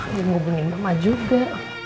belum ngubungin mama juga